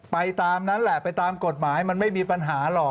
ตามนั้นแหละไปตามกฎหมายมันไม่มีปัญหาหรอก